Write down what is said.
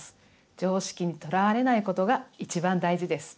常識にとらわれないことが一番大事です。